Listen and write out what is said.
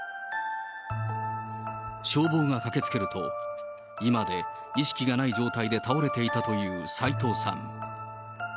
消防が駆けつけると、居間で意識がない状態で倒れていたという斎藤さん。